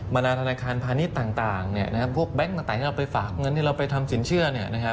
นาธนาคารพาณิชย์ต่างพวกแบงค์ต่างที่เราไปฝากเงินที่เราไปทำสินเชื่อ